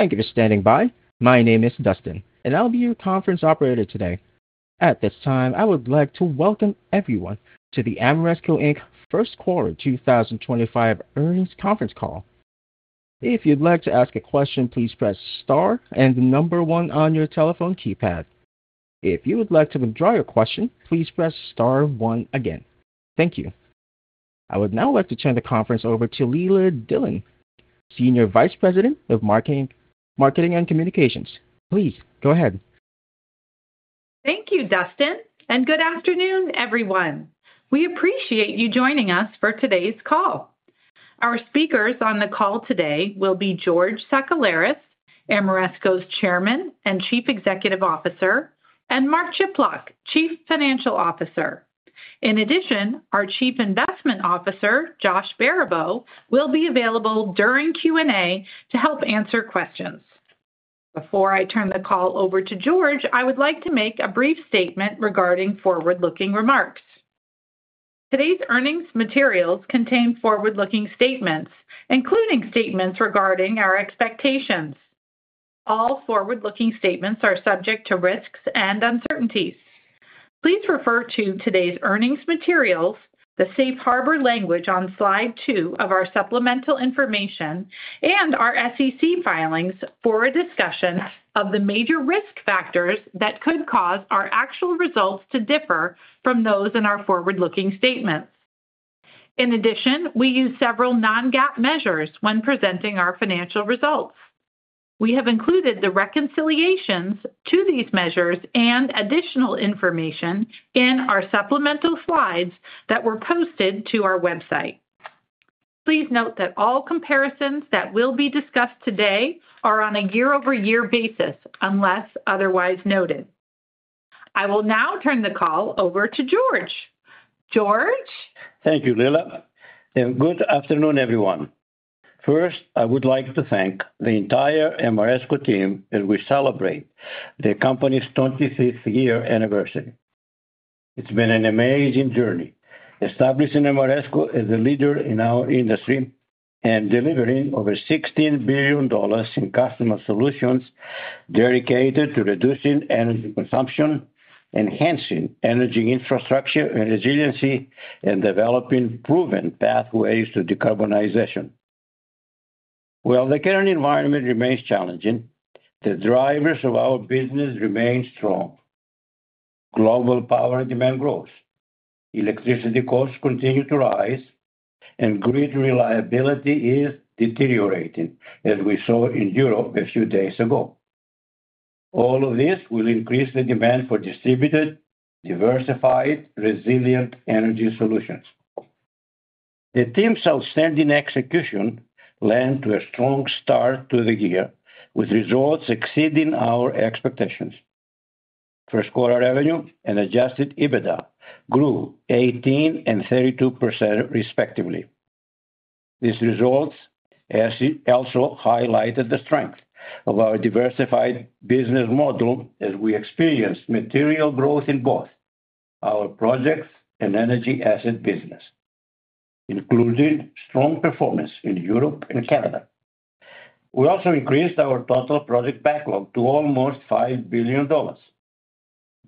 Thank you for standing by. My name is Dustin, and I'll be your conference operator today. At this time, I would like to welcome everyone to the Ameresco Q1 2025 earnings conference call. If you'd like to ask a question, please press star and the number one on your telephone keypad. If you would like to withdraw your question, please press star one again. Thank you. I would now like to turn the conference over to Leila Dillon, Senior Vice President of Marketing and Communications. Please go ahead. Thank you, Dustin, and good afternoon, everyone. We appreciate you joining us for today's call. Our speakers on the call today will be George Sakellaris, Ameresco's Chairman and Chief Executive Officer, and Mark Chiplock, Chief Financial Officer. In addition, our Chief Investment Officer, Josh Baribeau, will be available during Q&A to help answer questions. Before I turn the call over to George, I would like to make a brief statement regarding forward-looking remarks. Today's earnings materials contain forward-looking statements, including statements regarding our expectations. All forward-looking statements are subject to risks and uncertainties. Please refer to today's earnings materials, the safe harbor language on slide two of our supplemental information, and our SEC filings for a discussion of the major risk factors that could cause our actual results to differ from those in our forward-looking statements. In addition, we use several non-GAAP measures when presenting our financial results. We have included the reconciliations to these measures and additional information in our supplemental slides that were posted to our website. Please note that all comparisons that will be discussed today are on a year-over-year basis unless otherwise noted. I will now turn the call over to George. George. Thank you, Leila. Good afternoon, everyone. First, I would like to thank the entire Ameresco team as we celebrate the company's 25th year anniversary. It's been an amazing journey establishing Ameresco as a leader in our industry and delivering over $16 billion in customer solutions dedicated to reducing energy consumption, enhancing energy infrastructure and resiliency, and developing proven pathways to decarbonization. While the current environment remains challenging, the drivers of our business remain strong. Global power demand grows, electricity costs continue to rise, and grid reliability is deteriorating, as we saw in Europe a few days ago. All of this will increase the demand for distributed, diversified, resilient energy solutions. The team's outstanding execution lent a strong start to the year, with results exceeding our expectations. Q1 revenue and adjusted EBITDA grew 18% and 32%, respectively. These results also highlighted the strength of our diversified business model as we experienced material growth in both our projects and energy asset business, including strong performance in Europe and Canada. We also increased our total project backlog to almost $5 billion,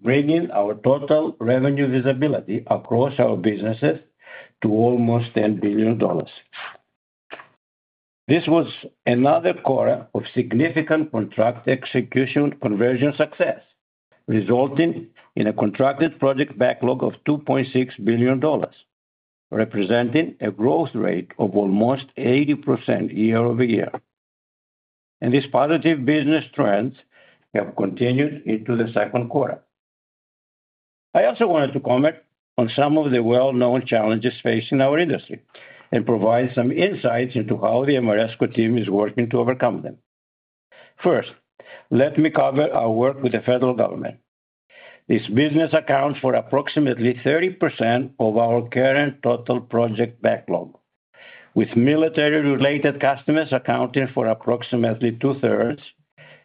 bringing our total revenue visibility across our businesses to almost $10 billion. This was another quarter of significant contract execution conversion success, resulting in a contracted project backlog of $2.6 billion, representing a growth rate of almost 80% year over year. These positive business trends have continued into the Q2. I also wanted to comment on some of the well-known challenges facing our industry and provide some insights into how the Ameresco team is working to overcome them. First, let me cover our work with the federal government. This business accounts for approximately 30% of our current total project backlog, with military-related customers accounting for approximately 2/3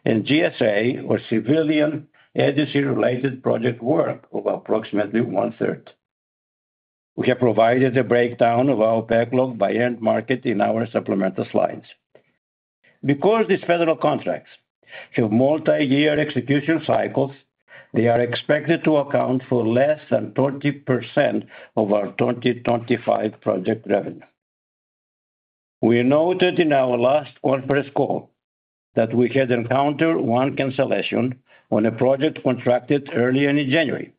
and GSA or civilian agency-related project work of approximately 1/3. We have provided a breakdown of our backlog by end market in our supplemental slides. Because these federal contracts have multi-year execution cycles, they are expected to account for less than 20% of our 2025 project revenue. We noted in our last conference call that we had encountered one cancellation on a project contracted earlier in January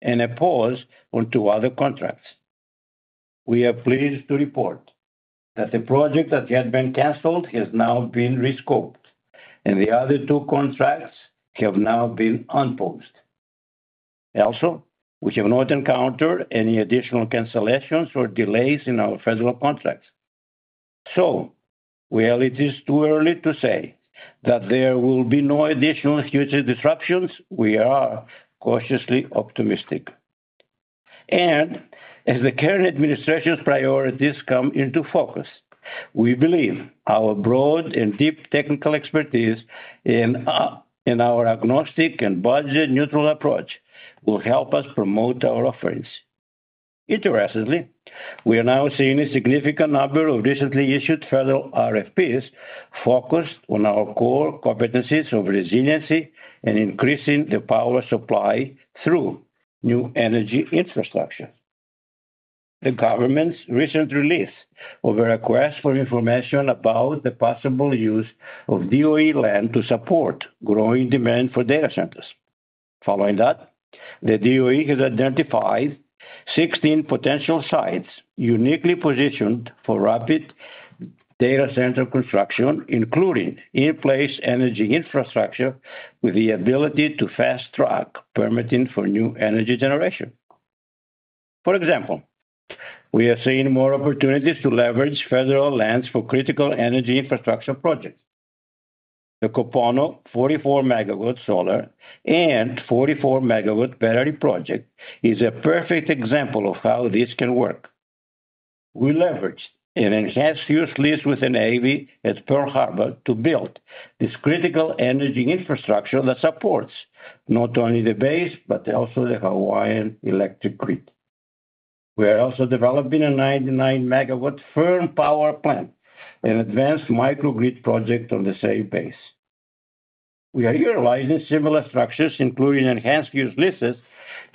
and a pause on two other contracts. We are pleased to report that the project that had been canceled has now been rescoped, and the other two contracts have now been unpaused. Also, we have not encountered any additional cancellations or delays in our federal contracts. While it is too early to say that there will be no additional future disruptions, we are cautiously optimistic. As the current administration's priorities come into focus, we believe our broad and deep technical expertise and our agnostic and budget-neutral approach will help us promote our offerings. Interestingly, we are now seeing a significant number of recently issued federal RFPs focused on our core competencies of resiliency and increasing the power supply through new energy infrastructure. The government's recent release of a request for information about the possible use of DOE land to support growing demand for data centers. Following that, the DOE has identified 16 potential sites uniquely positioned for rapid data center construction, including in-place energy infrastructure with the ability to fast-track permitting for new energy generation. For example, we are seeing more opportunities to leverage federal lands for critical energy infrastructure projects. The Kūpono 44MW solar and 44MW battery project is a perfect example of how this can work. We leveraged an enhanced use lease with an AV at Pearl Harbor to build this critical energy infrastructure that supports not only the base but also the Hawaiian Electric Grid. We are also developing a 99MW firm power plant and advanced microgrid project on the same base. We are utilizing similar structures, including enhanced use leases,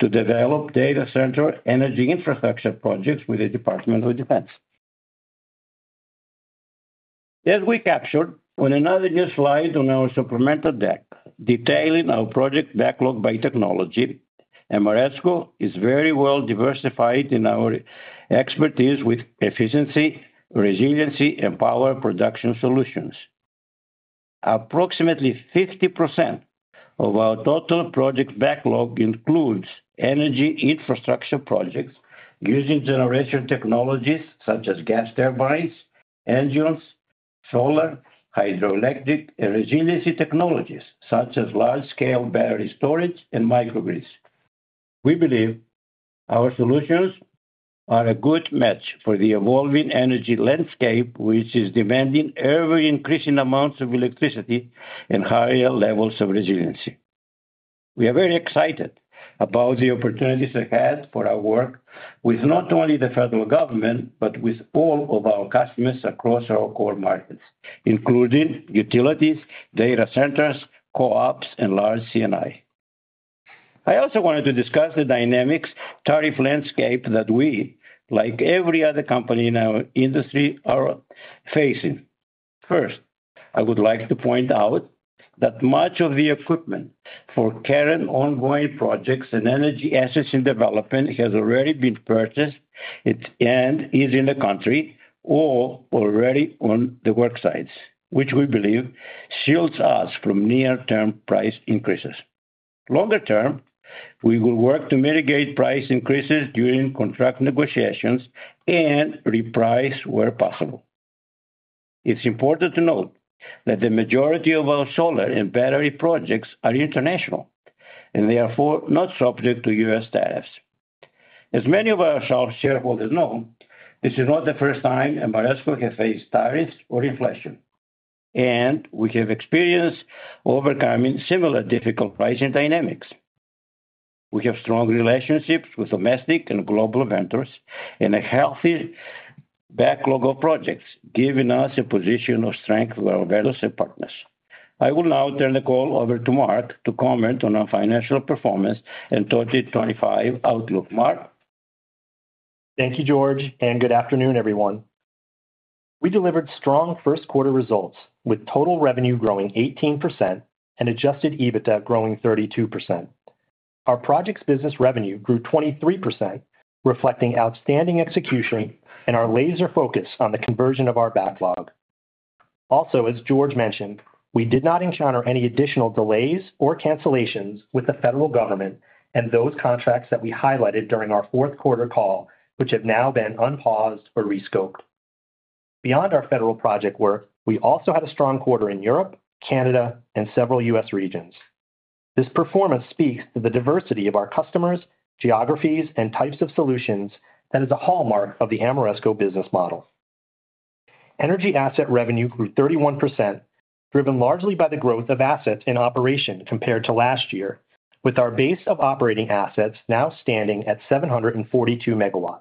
to develop data center energy infrastructure projects with the Department of Defense. As we captured on another new slide on our supplemental deck detailing our project backlog by technology, Ameresco is very well diversified in our expertise with efficiency, resiliency, and power production solutions. Approximately 50% of our total project backlog includes energy infrastructure projects using generation technologies such as gas turbines, engines, solar, hydroelectric, and resiliency technologies such as large-scale battery storage and microgrids. We believe our solutions are a good match for the evolving energy landscape, which is demanding ever-increasing amounts of electricity and higher levels of resiliency. We are very excited about the opportunities ahead for our work with not only the federal government but with all of our customers across our core markets, including utilities, data centers, co-ops, and large C&I. I also wanted to discuss the dynamic tariff landscape that we, like every other company in our industry, are facing. First, I would like to point out that much of the equipment for current ongoing projects and energy assets in development has already been purchased and is in the country or already on the worksites, which we believe shields us from near-term price increases. Longer term, we will work to mitigate price increases during contract negotiations and reprice where possible. It's important to note that the majority of our solar and battery projects are international and therefore not subject to U.S. tariffs. As many of our shareholders know, this is not the first time Ameresco has faced tariffs or inflation, and we have experienced overcoming similar difficult pricing dynamics. We have strong relationships with domestic and global vendors and a healthy backlog of projects, giving us a position of strength with our partners. I will now turn the call over to Mark to comment on our financial performance and 2025 outlook. Mark. Thank you, George, and good afternoon, everyone. We delivered strong Q1 results with total revenue growing 18% and adjusted EBITDA growing 32%. Our project's business revenue grew 23%, reflecting outstanding execution and our laser focus on the conversion of our backlog. Also, as George mentioned, we did not encounter any additional delays or cancellations with the federal government and those contracts that we highlighted during our Q4 call, which have now been unpaused or rescoped. Beyond our federal project work, we also had a strong quarter in Europe, Canada, and several U.S. regions. This performance speaks to the diversity of our customers, geographies, and types of solutions that is a hallmark of the Ameresco business model. Energy asset revenue grew 31%, driven largely by the growth of assets in operation compared to last year, with our base of operating assets now standing at 742MW.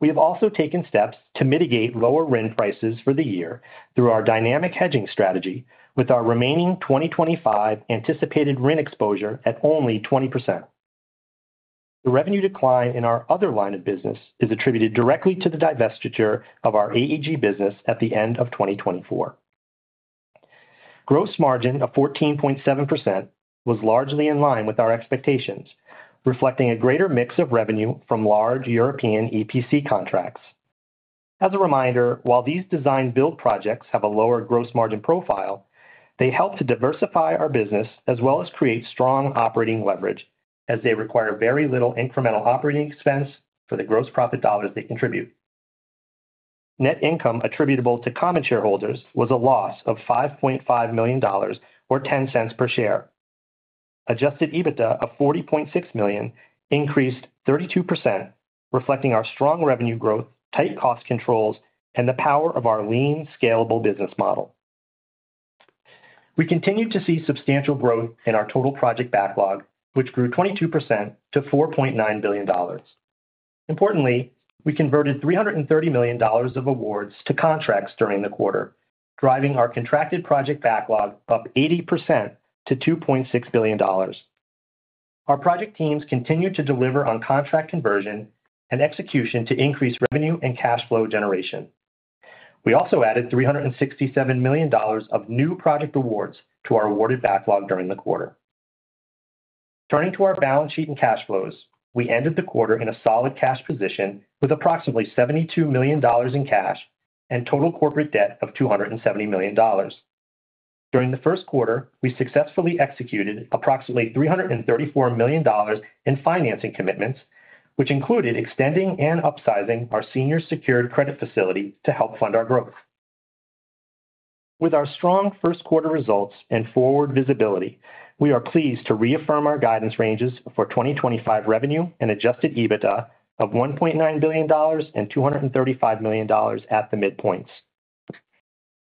We have also taken steps to mitigate lower rent prices for the year through our dynamic hedging strategy, with our remaining 2025 anticipated rent exposure at only 20%. The revenue decline in our other line of business is attributed directly to the divestiture of our AEG business at the end of 2024. Gross margin of 14.7% was largely in line with our expectations, reflecting a greater mix of revenue from large European EPC contracts. As a reminder, while these design-build projects have a lower gross margin profile, they help to diversify our business as well as create strong operating leverage, as they require very little incremental operating expense for the gross profit dollars they contribute. Net income attributable to common shareholders was a loss of $5.5 million or $0.10 per share. Adjusted EBITDA of $40.6 million increased 32%, reflecting our strong revenue growth, tight cost controls, and the power of our lean, scalable business model. We continue to see substantial growth in our total project backlog, which grew 22% to $4.9 billion. Importantly, we converted $330 million of awards to contracts during the quarter, driving our contracted project backlog up 80% to $2.6 billion. Our project teams continue to deliver on contract conversion and execution to increase revenue and cash flow generation. We also added $367 million of new project awards to our awarded backlog during the quarter. Turning to our balance sheet and cash flows, we ended the quarter in a solid cash position with approximately $72 million in cash and total corporate debt of $270 million. During the Q1, we successfully executed approximately $334 million in financing commitments, which included extending and upsizing our senior secured credit facility to help fund our growth. With our strong Q1 results and forward visibility, we are pleased to reaffirm our guidance ranges for 2025 revenue and adjusted EBITDA of $1.9 billion and $235 million at the midpoints.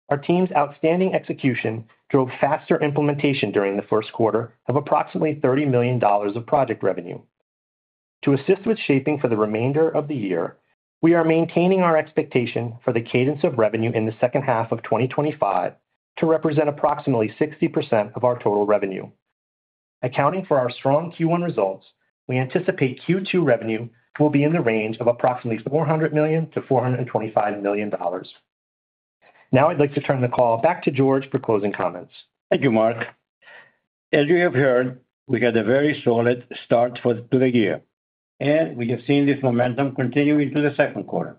Our team's outstanding execution drove faster implementation during the Q1 of approximately $30 million of project revenue. To assist with shaping for the remainder of the year, we are maintaining our expectation for the cadence of revenue in the H2 of 2025 to represent approximately 60% of our total revenue. Accounting for our strong Q1 results, we anticipate Q2 revenue will be in the range of approximately $400 million-$425 million. Now, I'd like to turn the call back to George for closing comments. Thank you, Mark. As you have heard, we had a very solid start to the year, and we have seen this momentum continue into the Q2.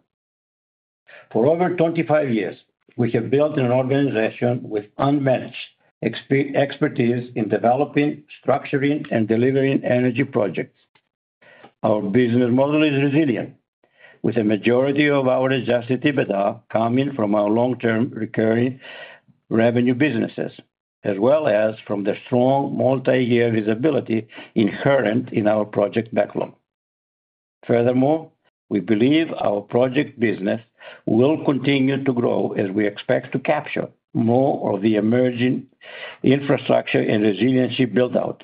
For over 25 years, we have built an organization with unmatched expertise in developing, structuring, and delivering energy projects. Our business model is resilient, with a majority of our adjusted EBITDA coming from our long-term recurring revenue businesses, as well as from the strong multi-year visibility inherent in our project backlog. Furthermore, we believe our project business will continue to grow as we expect to capture more of the emerging infrastructure and resiliency build-out.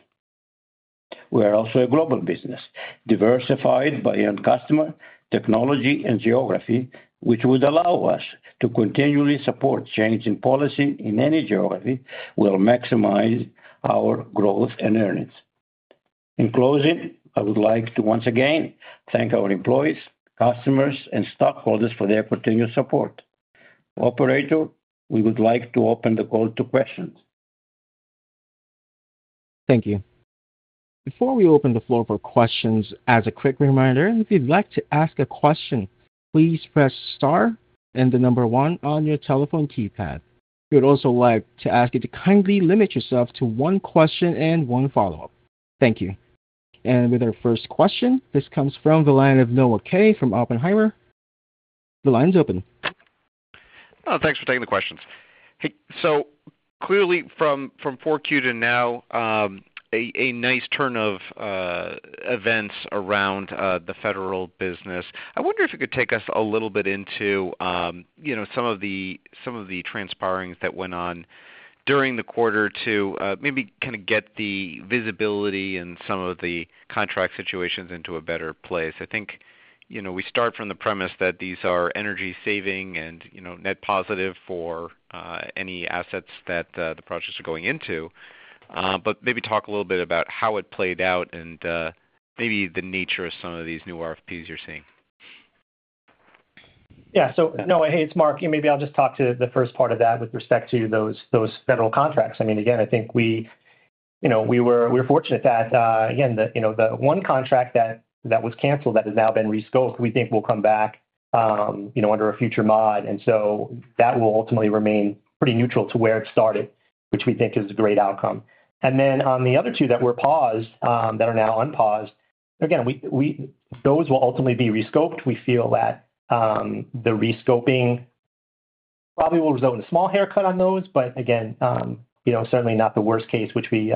We are also a global business, diversified by our customer, technology, and geography, which would allow us to continually support change in policy in any geography, while maximizing our growth and earnings. In closing, I would like to once again thank our employees, customers, and stockholders for their continued support. Operator, we would like to open the call to questions. Thank you. Before we open the floor for questions, as a quick reminder, if you'd like to ask a question, please press star and the number one on your telephone keypad. We would also like to ask you to kindly limit yourself to one question and one follow-up. Thank you. With our first question, this comes from the line of Noah Kay from Oppenheimer. The line's open. Thanks for taking the questions. Clearly, from 4Q to now, a nice turn of events around the federal business. I wonder if you could take us a little bit into some of the transpirings that went on during the Q2 maybe kind of get the visibility and some of the contract situations into a better place. I think we start from the premise that these are energy-saving and net positive for any assets that the projects are going into, but maybe talk a little bit about how it played out and maybe the nature of some of these new RFPs you're seeing. Yeah. Noah, hey, it's Mark. Maybe I'll just talk to the first part of that with respect to those federal contracts. I mean, again, I think we were fortunate that, again, the one contract that was canceled that has now been rescoped, we think will come back under a future mod. That will ultimately remain pretty neutral to where it started, which we think is a great outcome. On the other two that were paused, that are now unpaused, those will ultimately be rescoped. We feel that the rescoping probably will result in a small haircut on those, but certainly not the worst case, which could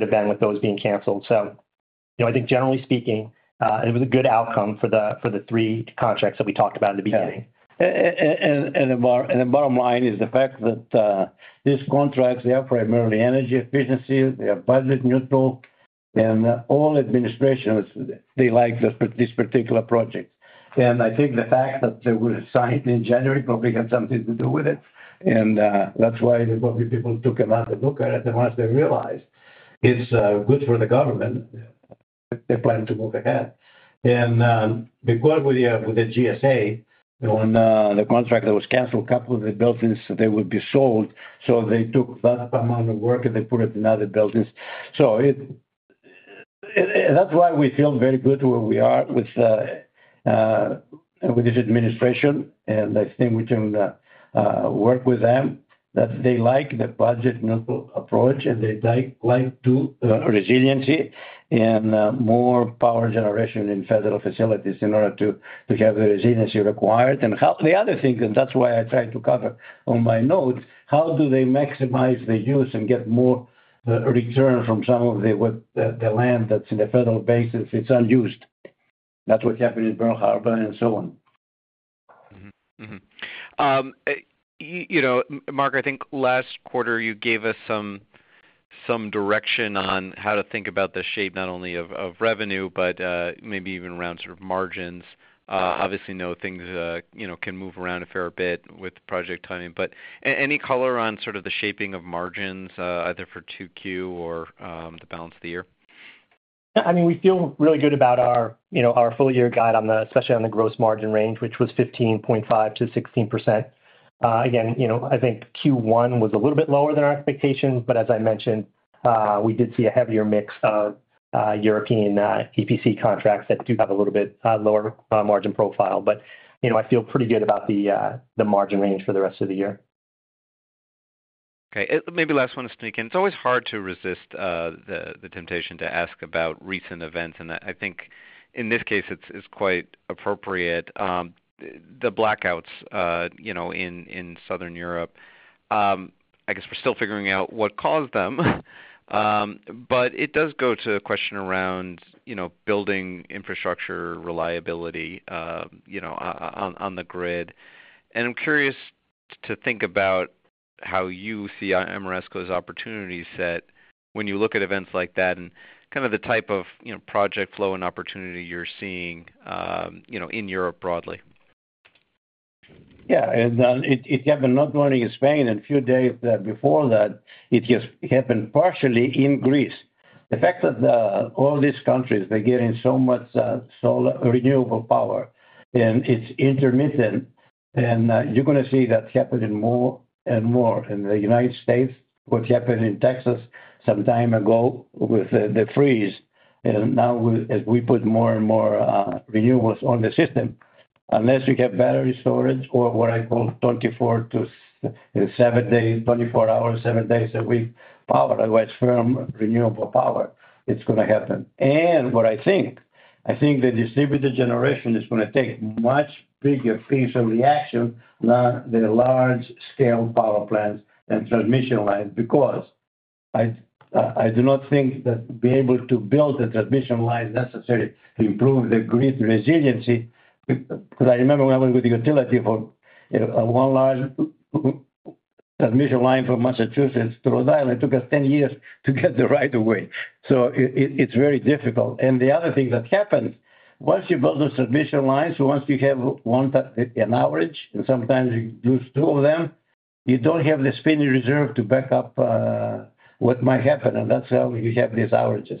have been with those being canceled. I think, generally speaking, it was a good outcome for the three contracts that we talked about in the beginning. The bottom line is the fact that these contracts, they are primarily energy efficiency, they are budget neutral, and all administrations, they like this particular project. I think the fact that they were signed in January probably had something to do with it. That is why probably people took another look at it once they realized it is good for the government. They plan to move ahead. With the GSA, the contract that was canceled, a couple of the buildings, they would be sold. They took that amount of work and they put it in other buildings. That is why we feel very good where we are with this administration. I think we can work with them, that they like the budget neutral approach and they like resiliency and more power generation in federal facilities in order to have the resiliency required. The other thing, and that's why I tried to cover on my notes, how do they maximize the use and get more return from some of the land that's in the federal bases? It's unused. That's what happened in Pearl Harbor and so on. Mark, I think last quarter you gave us some direction on how to think about the shape not only of revenue, but maybe even around sort of margins. Obviously, things can move around a fair bit with project timing. Any color on sort of the shaping of margins, either for 2Q or the balance of the year? I mean, we feel really good about our full-year guide, especially on the gross margin range, which was 15.5-16%. Again, I think Q1 was a little bit lower than our expectations, but as I mentioned, we did see a heavier mix of European EPC contracts that do have a little bit lower margin profile. I feel pretty good about the margin range for the rest of the year. Okay. Maybe last one to sneak in. It's always hard to resist the temptation to ask about recent events. I think in this case, it's quite appropriate. The blackouts in Southern Europe, I guess we're still figuring out what caused them. It does go to a question around building infrastructure reliability on the grid. I'm curious to think about how you see Ameresco's opportunity set when you look at events like that and kind of the type of project flow and opportunity you're seeing in Europe broadly. Yeah. It happened not only in Spain, a few days before that, it just happened partially in Greece. The fact that all these countries, they're getting so much renewable power, and it's intermittent. You're going to see that happening more and more in the United States, what happened in Texas some time ago with the freeze. Now, as we put more and more renewables on the system, unless you have battery storage or what I call 24 to 7 days, 24 hours, 7 days a week power, otherwise firm renewable power, it's going to happen. What I think, I think the distributed generation is going to take a much bigger piece of the action than the large-scale power plants and transmission lines because I do not think that being able to build the transmission lines necessarily improves the grid resiliency. Because I remember when I was with the utility for one large transmission line from Massachusetts to Rhode Island, it took us 10 years to get the right of way. It is very difficult. The other thing that happens, once you build those transmission lines, once you have an average, and sometimes you lose two of them, you do not have the spinning reserve to back up what might happen. That is how you have these averages.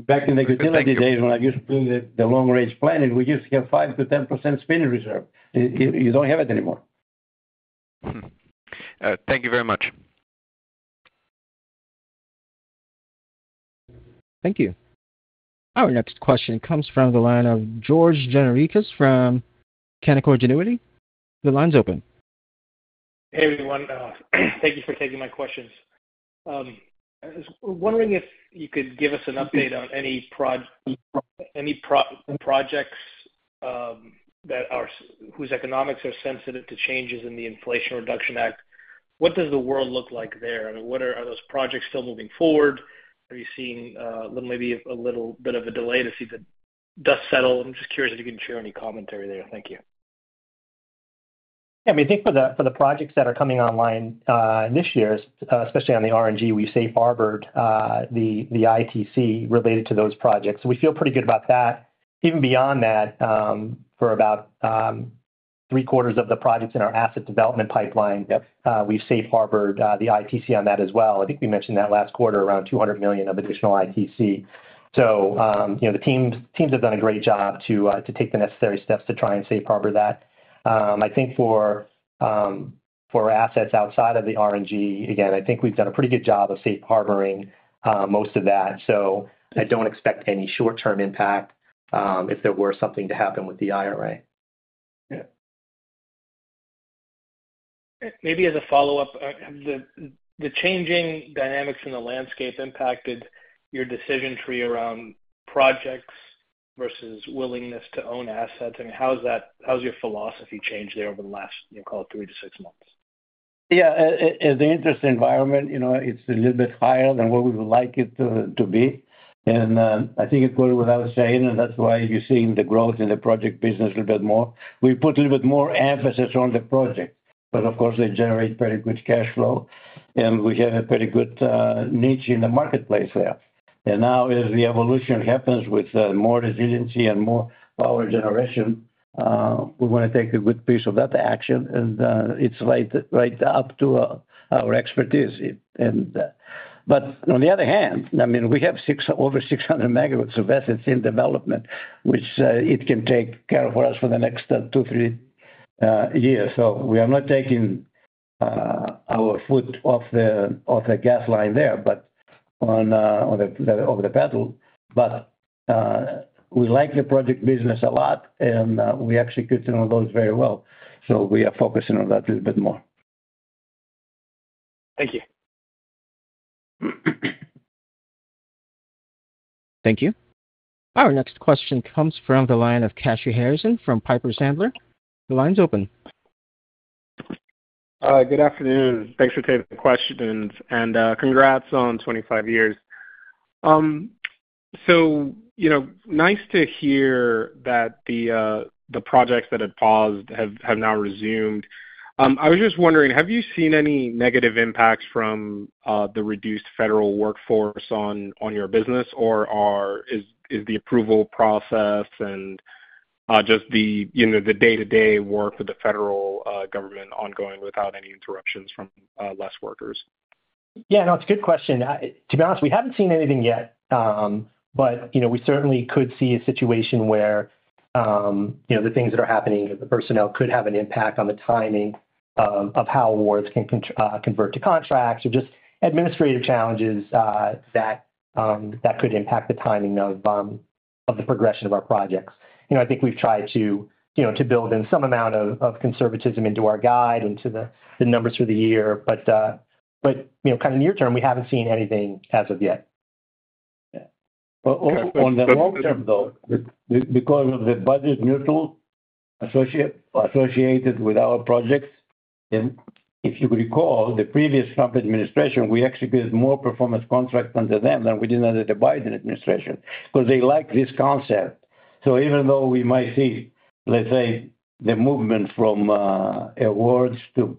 Back in the utility days, when I used to do the long-range planning, we used to have 5%-10% spinning reserve. You do not have it anymore. Thank you very much. Thank you. Our next question comes from the line of George Gianarikas from Canaccord Genuity. The line's open. Hey, everyone. Thank you for taking my questions. I was wondering if you could give us an update on any projects whose economics are sensitive to changes in the Inflation Reduction Act. What does the world look like there? I mean, are those projects still moving forward? Have you seen maybe a little bit of a delay to see the dust settle? I'm just curious if you can share any commentary there. Thank you. Yeah. I mean, I think for the projects that are coming online this year, especially on the RNG, we safe harbored the ITC related to those projects. We feel pretty good about that. Even beyond that, for about three-quarters of the projects in our asset development pipeline, we've safe harbored the ITC on that as well. I think we mentioned that last quarter, around $200 million of additional ITC. The teams have done a great job to take the necessary steps to try and safe harbor that. I think for assets outside of the RNG, again, I think we've done a pretty good job of safe harboring most of that. I do not expect any short-term impact if there were something to happen with the IRA. Maybe as a follow-up, the changing dynamics in the landscape impacted your decision tree around projects versus willingness to own assets. I mean, how has your philosophy changed there over the last, call it, three to six months? Yeah. As the interest environment, it's a little bit higher than what we would like it to be. I think it goes without saying, and that's why you're seeing the growth in the project business a little bit more. We put a little bit more emphasis on the project, but of course, they generate very good cash flow. We have a pretty good niche in the marketplace there. Now, as the evolution happens with more resiliency and more power generation, we want to take a good piece of that action. It's right up to our expertise. On the other hand, I mean, we have over 600MW of assets in development, which it can take care of for us for the next two, three years. We are not taking our foot off the gas line there, but on the paddle. We like the project business a lot, and we execute on those very well. We are focusing on that a little bit more. Thank you. Thank you. Our next question comes from the line of Kashy Harrison from Piper Sandler. The line's open. Good afternoon. Thanks for taking the questions. Congrats on 25 years. It is nice to hear that the projects that had paused have now resumed. I was just wondering, have you seen any negative impacts from the reduced federal workforce on your business, or is the approval process and just the day-to-day work with the federal government ongoing without any interruptions from less workers? Yeah. No, it's a good question. To be honest, we haven't seen anything yet, but we certainly could see a situation where the things that are happening with the personnel could have an impact on the timing of how awards can convert to contracts or just administrative challenges that could impact the timing of the progression of our projects. I think we've tried to build in some amount of conservatism into our guide, into the numbers for the year. Kind of near term, we haven't seen anything as of yet. On the long term, though, because of the budget neutral associated with our projects, if you recall, the previous Trump administration, we executed more performance contracts under them than we did under the Biden administration because they like this concept. Even though we might see, let's say, the movement from awards to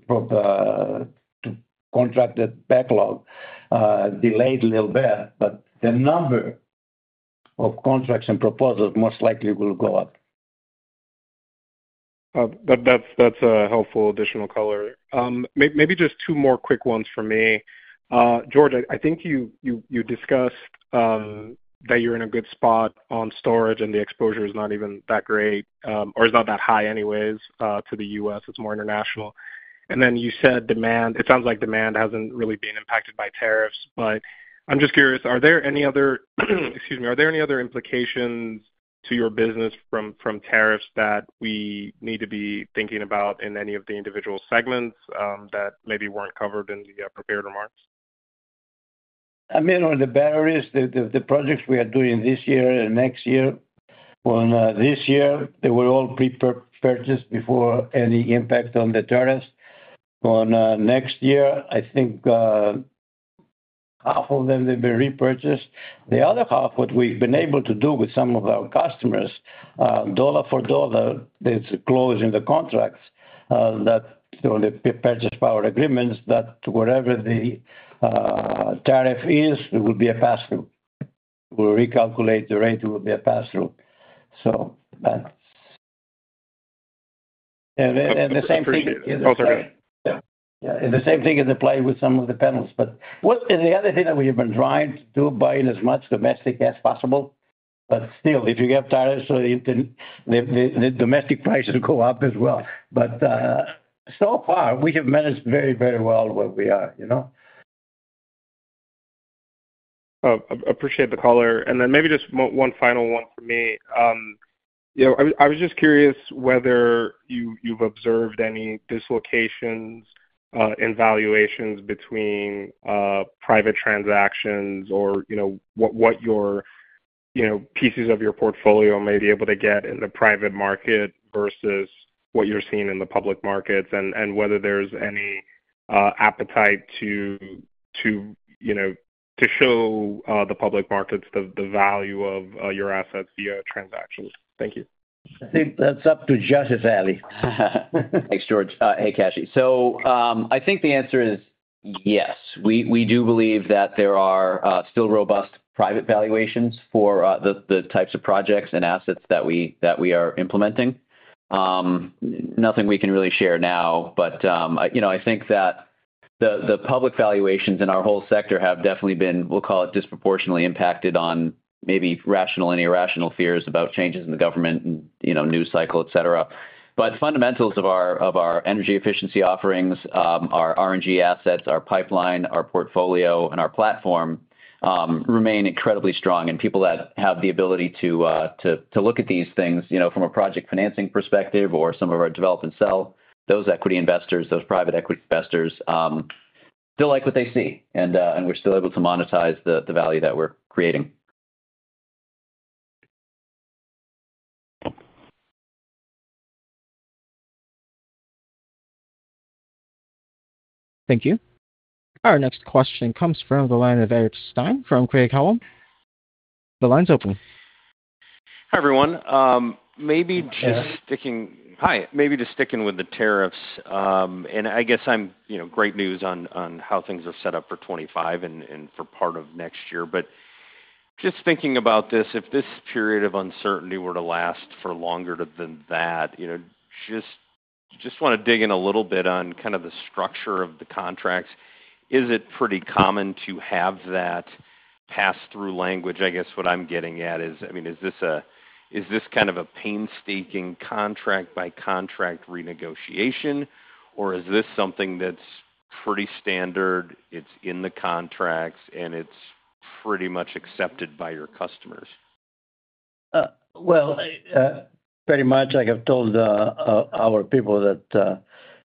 contracted backlog delayed a little bit, the number of contracts and proposals most likely will go up. That's a helpful additional color. Maybe just two more quick ones for me. George, I think you discussed that you're in a good spot on storage and the exposure is not even that great, or it's not that high anyways to the U.S. It's more international. You said demand, it sounds like demand hasn't really been impacted by tariffs. I'm just curious, are there any other—excuse me—are there any other implications to your business from tariffs that we need to be thinking about in any of the individual segments that maybe weren't covered in the prepared remarks? I mean, on the batteries, the projects we are doing this year and next year, on this year, they were all pre-purchased before any impact on the tariffs. On next year, I think half of them will be repurchased. The other half, what we've been able to do with some of our customers, dollar for dollar, it's closing the contracts that on the purchase power agreements that whatever the tariff is, it will be a pass-through. We'll recalculate the rate; it will be a pass-through. That's it. And the same thing. Both are good. Yeah. The same thing is in play with some of the panels. The other thing that we have been trying to do, buying as much domestic as possible. Still, if you have tariffs, the domestic prices go up as well. So far, we have managed very, very well where we are. Appreciate the color. Maybe just one final one for me. I was just curious whether you've observed any dislocations in valuations between private transactions or what your pieces of your portfolio may be able to get in the private market versus what you're seeing in the public markets and whether there's any appetite to show the public markets the value of your assets via transactions. Thank you. I think that's up to Josh Baribeau. Thanks, George. Hey, Kashi. I think the answer is yes. We do believe that there are still robust private valuations for the types of projects and assets that we are implementing. Nothing we can really share now, but I think that the public valuations in our whole sector have definitely been, we'll call it, disproportionately impacted on maybe rational and irrational fears about changes in the government and news cycle, etc. The fundamentals of our energy efficiency offerings, our RNG assets, our pipeline, our portfolio, and our platform remain incredibly strong. People that have the ability to look at these things from a project financing perspective or some of our develop and sell, those equity investors, those private equity investors still like what they see. We are still able to monetize the value that we are creating. Thank you. Our next question comes from the line of Eric Stein from Grey Cowell. The line's open. Hi, everyone. Hi, maybe just sticking with the tariffs. I guess great news on how things are set up for 2025 and for part of next year. Just thinking about this, if this period of uncertainty were to last for longer than that, I just want to dig in a little bit on kind of the structure of the contracts. Is it pretty common to have that pass-through language? I guess what I'm getting at is, I mean, is this kind of a painstaking contract-by-contract renegotiation, or is this something that's pretty standard, it's in the contracts, and it's pretty much accepted by your customers? I have told our people that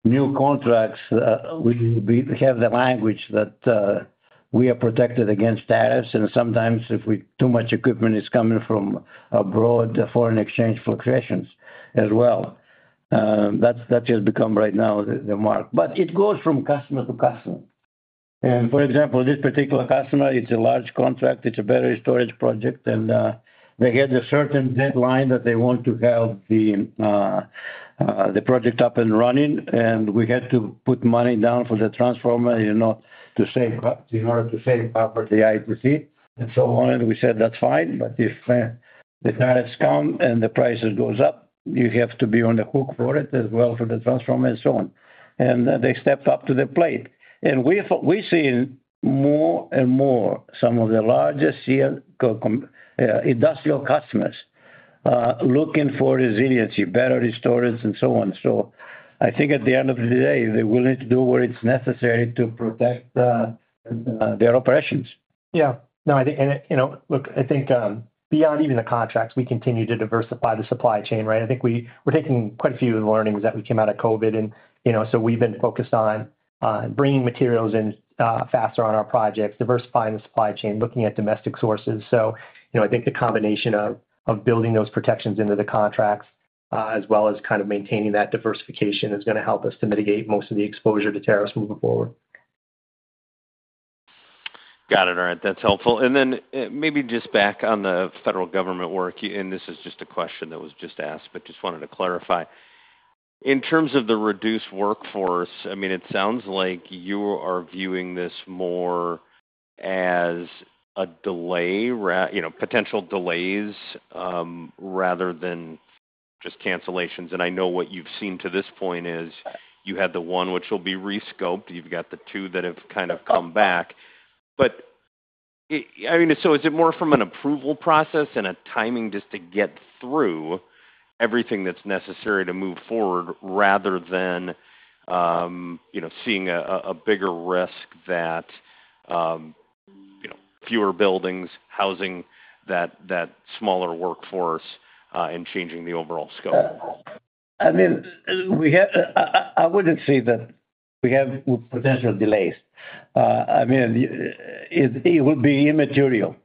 new contracts, we have the language that we are protected against tariffs. Sometimes, if too much equipment is coming from abroad, foreign exchange fluctuations as well. That has just become right now the mark. It goes from customer to customer. For example, this particular customer, it's a large contract, it's a battery storage project, and they had a certain deadline that they want to have the project up and running. We had to put money down for the transformer in order to save power to the ITC, and so on. We said, "That's fine. If the tariffs come and the price goes up, you have to be on the hook for it as well for the transformer and so on." They stepped up to the plate. We have seen more and more some of the largest industrial customers looking for resiliency, battery storage, and so on. I think at the end of the day, they will need to do what is necessary to protect their operations. Yeah. No, I think, and look, I think beyond even the contracts, we continue to diversify the supply chain, right? I think we're taking quite a few learnings that we came out of COVID. And we have been focused on bringing materials in faster on our projects, diversifying the supply chain, looking at domestic sources. I think the combination of building those protections into the contracts as well as kind of maintaining that diversification is going to help us to mitigate most of the exposure to tariffs moving forward. Got it. All right. That's helpful. Maybe just back on the federal government work, and this is just a question that was just asked, but just wanted to clarify. In terms of the reduced workforce, I mean, it sounds like you are viewing this more as a delay, potential delays rather than just cancellations. I know what you've seen to this point is you had the one which will be rescoped. You've got the two that have kind of come back. I mean, is it more from an approval process and a timing just to get through everything that's necessary to move forward rather than seeing a bigger risk that fewer buildings, housing, that smaller workforce and changing the overall scope? I mean, I wouldn't say that we have potential delays. I mean, it would be immaterial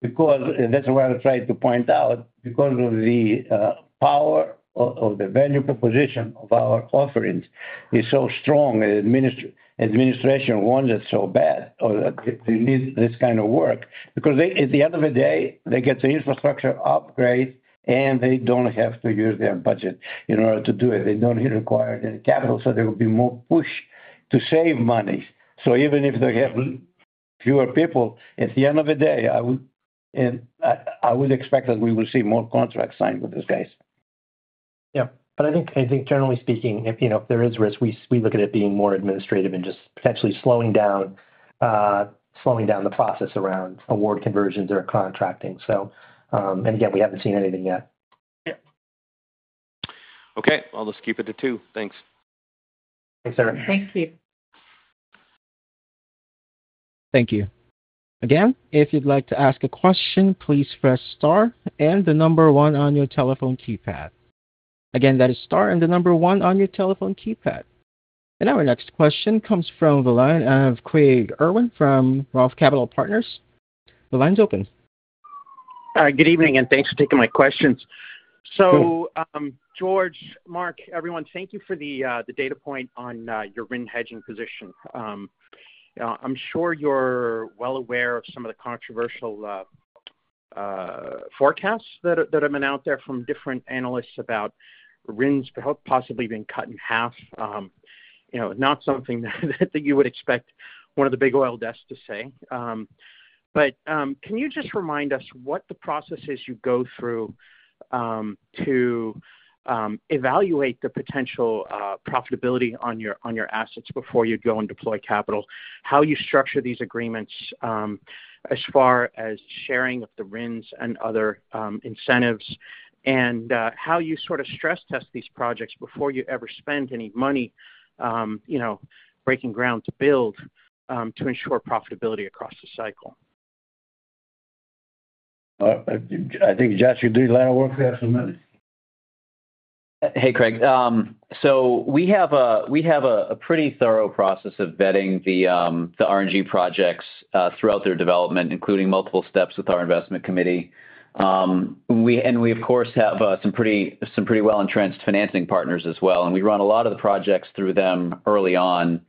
because that's why I'm trying to point out because the power or the value proposition of our offerings is so strong. The administration wants it so bad or they need this kind of work because at the end of the day, they get the infrastructure upgrade and they don't have to use their budget in order to do it. They don't require any capital. There will be more push to save money. Even if they have fewer people, at the end of the day, I would expect that we will see more contracts signed with these guys. Yeah. I think generally speaking, if there is risk, we look at it being more administrative and just potentially slowing down the process around award conversions or contracting. Again, we haven't seen anything yet. Yeah. Okay. I'll just keep it at two. Thanks. Thanks, Eric. Thank you. Thank you. Again, if you'd like to ask a question, please press star and the number one on your telephone keypad. Again, that is star and the number one on your telephone keypad. Our next question comes from the line of Craig Irwin from Roth Capital Partners. The line's open. Hi, good evening, and thanks for taking my questions. George, Mark, everyone, thank you for the data point on your RIN hedging position. I'm sure you're well aware of some of the controversial forecasts that have been out there from different analysts about RINs possibly being cut in half. Not something that you would expect one of the big oil desks to say. Can you just remind us what the process is you go through to evaluate the potential profitability on your assets before you go and deploy capital, how you structure these agreements as far as sharing of the RINs and other incentives, and how you sort of stress test these projects before you ever spend any money breaking ground to build to ensure profitability across the cycle? I think Josh, you do the line of work for us for a minute. Hey, Craig. We have a pretty thorough process of vetting the RNG projects throughout their development, including multiple steps with our investment committee. We, of course, have some pretty well-entrenched financing partners as well. We run a lot of the projects through them early on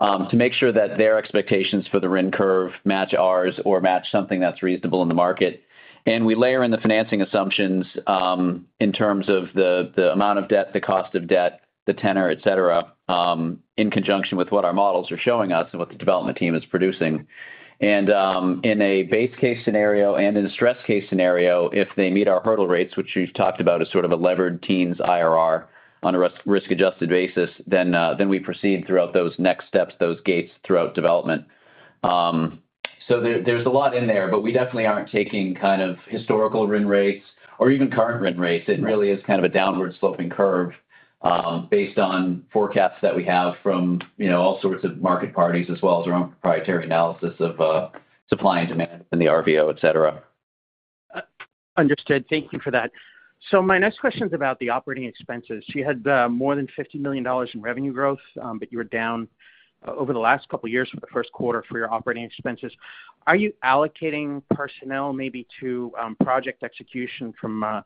to make sure that their expectations for the RIN curve match ours or match something that's reasonable in the market. We layer in the financing assumptions in terms of the amount of debt, the cost of debt, the tenor, etc., in conjunction with what our models are showing us and what the development team is producing. In a base case scenario and in a stress case scenario, if they meet our hurdle rates, which we've talked about as sort of a levered teens IRR on a risk-adjusted basis, then we proceed throughout those next steps, those gates throughout development. There is a lot in there, but we definitely are not taking kind of historical RIN rates or even current RIN rates. It really is kind of a downward-sloping curve based on forecasts that we have from all sorts of market parties as well as our own proprietary analysis of supply and demand and the RVO, etc. Understood. Thank you for that. My next question is about the operating expenses. You had more than $50 million in revenue growth, but you were down over the last couple of years for the Q1 for your operating expenses. Are you allocating personnel maybe to project execution from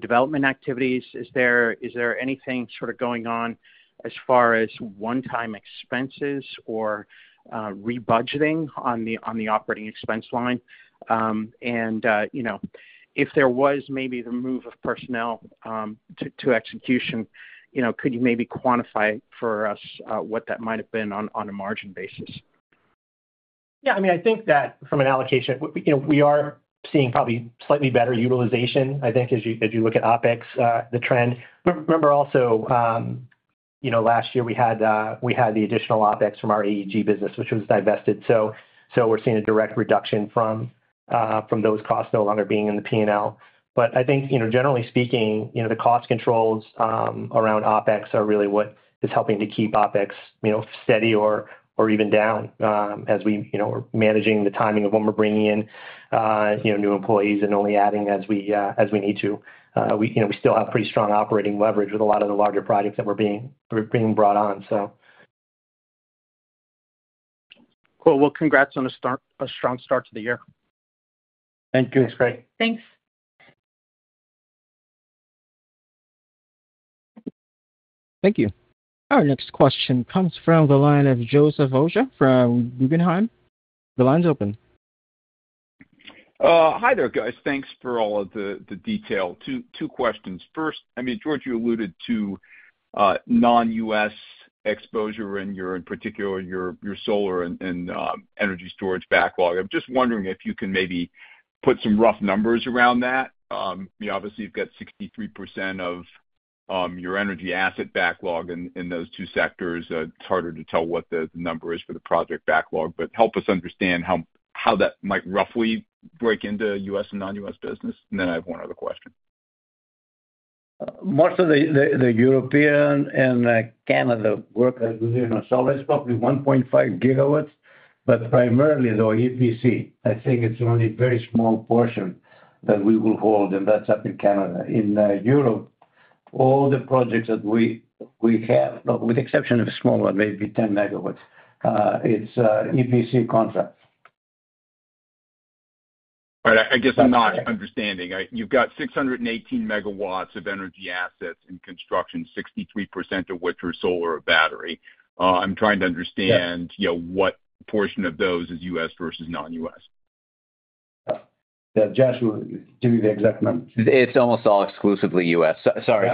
development activities? Is there anything sort of going on as far as one-time expenses or rebudgeting on the operating expense line? If there was maybe the move of personnel to execution, could you maybe quantify for us what that might have been on a margin basis? Yeah. I mean, I think that from an allocation, we are seeing probably slightly better utilization, I think, as you look at OpEx, the trend. Remember also, last year, we had the additional OpEx from our AEG business, which was divested. We are seeing a direct reduction from those costs no longer being in the P&L. I think, generally speaking, the cost controls around OpEx are really what is helping to keep OpEx steady or even down as we are managing the timing of when we are bringing in new employees and only adding as we need to. We still have pretty strong operating leverage with a lot of the larger projects that are being brought on. Cool. Congrats on a strong start to the year. Thank you. Thanks, Craig. Thanks. Thank you. Our next question comes from the line of Joseph Oja from Guggenheim. The line's open. Hi there, guys. Thanks for all of the detail. Two questions. First, I mean, George, you alluded to non-U.S. exposure and, in particular, your solar and energy storage backlog. I'm just wondering if you can maybe put some rough numbers around that. Obviously, you've got 63% of your energy asset backlog in those two sectors. It's harder to tell what the number is for the project backlog, but help us understand how that might roughly break into U.S. and non-U.S. business. I have one other question. Most of the European and Canada workers are solid stock with 1.5GW, but primarily, though, EPC. I think it's only a very small portion that we will hold, and that's up in Canada. In Europe, all the projects that we have, with the exception of a small one, maybe 10MW, it's EPC contracts. Right. I guess I'm not understanding. You've got 618MW of energy assets in construction, 63% of which are solar or battery. I'm trying to understand what portion of those is U.S. versus non-U.S. Josh, give me the exact number. It's almost all exclusively U.S. Sorry,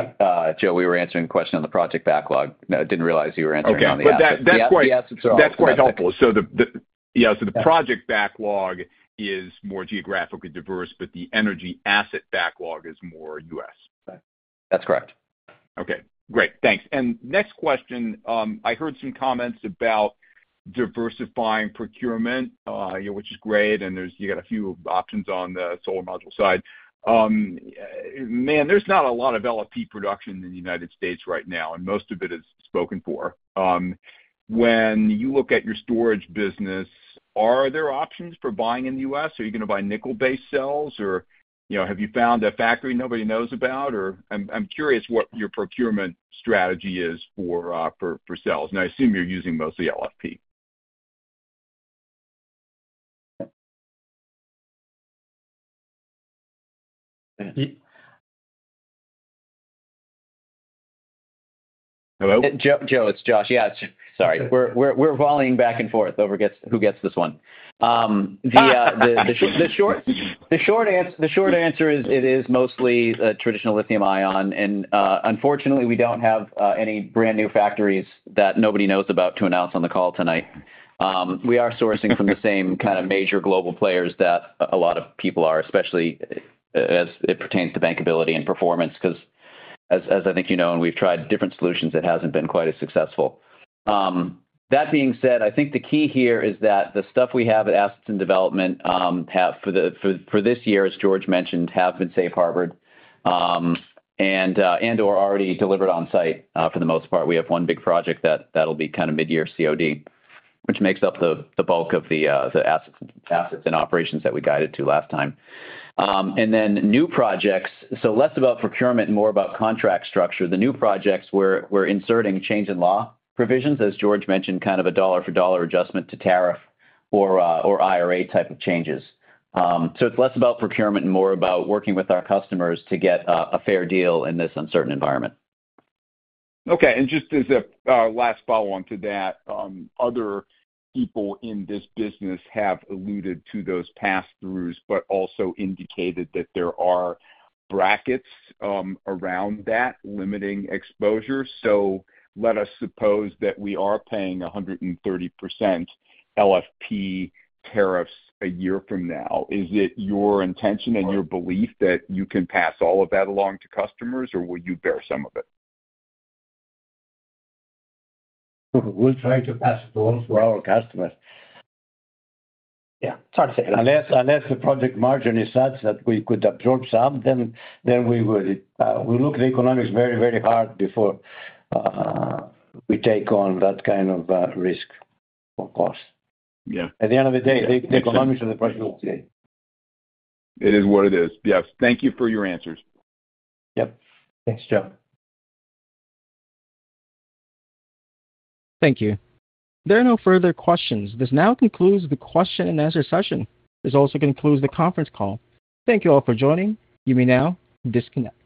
Joe, we were answering a question on the project backlog. I didn't realize you were answering on the assets. Okay. That is quite helpful. The project backlog is more geographically diverse, but the energy asset backlog is more U.S. That's correct. Okay. Great. Thanks. Next question, I heard some comments about diversifying procurement, which is great. You got a few options on the solar module side. Man, there's not a lot of LFP production in the United States right now, and most of it is spoken for. When you look at your storage business, are there options for buying in the US? Are you going to buy nickel-based cells, or have you found a factory nobody knows about? I'm curious what your procurement strategy is for cells. I assume you're using mostly LFP. Hello? Joe, it's Josh. Yeah. Sorry. We're volleying back and forth over who gets this one. The short answer is it is mostly traditional lithium-ion. Unfortunately, we don't have any brand new factories that nobody knows about to announce on the call tonight. We are sourcing from the same kind of major global players that a lot of people are, especially as it pertains to bankability and performance because, as I think you know, and we've tried different solutions, it hasn't been quite as successful. That being said, I think the key here is that the stuff we have at Assets and Development for this year, as George mentioned, have been safe harbored and/or already delivered on site for the most part. We have one big project that'll be kind of mid-year COD, which makes up the bulk of the assets and operations that we guided to last time. New projects were inserting change in law provisions, as George mentioned, kind of a dollar-for-dollar adjustment to tariff or IRA type of changes. It is less about procurement and more about working with our customers to get a fair deal in this uncertain environment. Okay. Just as a last follow-on to that, other people in this business have alluded to those pass-throughs, but also indicated that there are brackets around that limiting exposure. Let us suppose that we are paying 130% LFP tariffs a year from now. Is it your intention and your belief that you can pass all of that along to customers, or will you bear some of it? We'll try to pass it on to our customers. Yeah. It's hard to say. Unless the project margin is such that we could absorb some, then we look at the economics very, very hard before we take on that kind of risk or cost. At the end of the day, the economics of the project will say. It is what it is. Yes. Thank you for your answers. Yep. Thanks, Joe. Thank you. There are no further questions. This now concludes the question-and-answer session. This also concludes the conference call. Thank you all for joining. You may now disconnect.